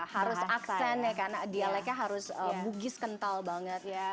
harus aksen ya karena dialeknya harus bugis kental banget ya